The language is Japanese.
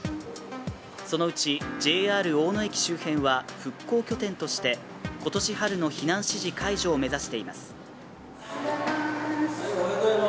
そのうちＪＲ大野駅周辺は復興拠点として今年春の避難指示解除を目指しています。